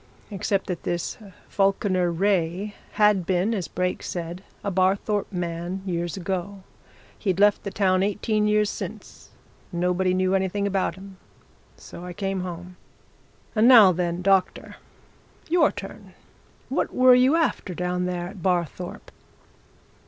Except that this Falkiner Wraye had been, as Brake said, a Barthorpe man, years ago. He'd left the town eighteen years since, and nobody knew anything about him. So I came home. And now then, doctor your turn! What were you after, down there at Barthorpe?"